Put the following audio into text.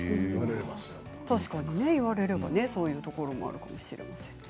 確かに言われればそういうところもあるかもしれません。